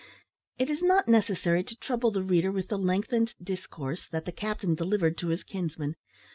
It is not necessary to trouble the reader with the lengthened discourse that the captain delivered to his kinsman.